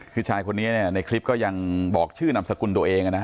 คือชายคนนี้ในคลิปก็ยังบอกชื่อนามสกุลตัวเอง